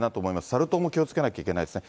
サル痘も気をつけなきゃいけないですね。